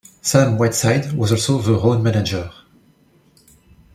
Sam Whiteside was also the road manager.